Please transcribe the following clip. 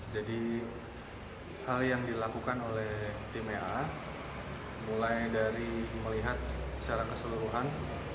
jadi hal yang dilakukan oleh tim ea mulai dari melihat secara keseluruhan